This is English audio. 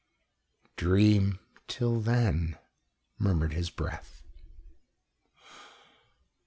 "Dream till then," murmured his breath.